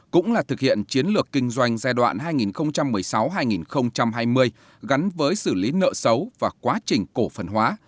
cũng là thực hiện chiến lược kinh doanh giai đoạn hai nghìn một mươi sáu hai nghìn hai mươi gắn với xử lý nợ xấu và quá trình cổ phần hóa